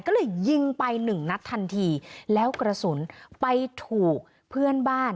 ก็เลยยิงไปหนึ่งนัดทันทีแล้วกระสุนไปถูกเพื่อนบ้าน